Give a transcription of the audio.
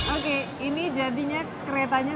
oke ini jadinya keretanya